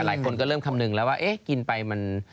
หลายคนก็เริ่มคำนึงแล้วว่าเอ๊ะกินไปมัน